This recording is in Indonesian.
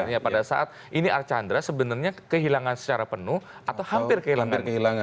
ya pada saat ini archandra sebenarnya kehilangan secara penuh atau hampir kehilangan